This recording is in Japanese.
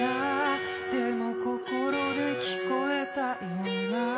「でも心で聞こえたような」